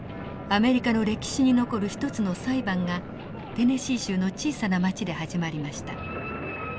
アメリカの歴史に残る一つの裁判がテネシー州の小さな町で始まりました。